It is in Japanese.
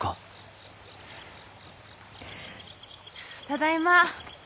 ただいま。